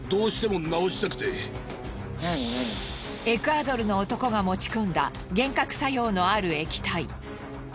エクアドルの男が持ち込んだ幻覚作用のある液体。